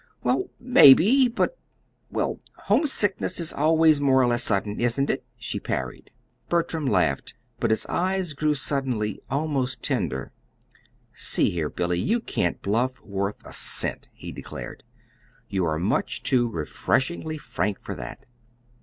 "Why, maybe; but well, homesickness is always more or less sudden; isn't it?" she parried. Bertram laughed, but his eyes grew suddenly almost tender. "See here, Billy, you can't bluff worth a cent," he declared. "You are much too refreshingly frank for that.